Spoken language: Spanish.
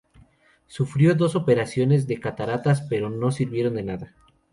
Sufrió dos operaciones de cataratas pero no sirvieron de nada.